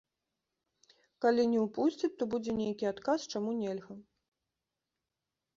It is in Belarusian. Калі не ўпусцяць, то будзе нейкі адказ, чаму нельга.